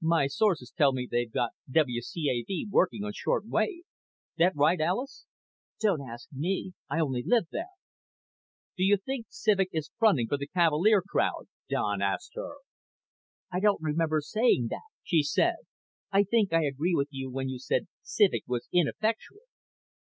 "My sources tell me they've got WCAV working on short wave. That right, Alis?" "Don't ask me. I only live there." "Do you still think Civek is fronting for the Cavalier crowd?" Don asked her. "I don't remember saying that," she said. "I think I agreed with you when you said Civek was ineffectual.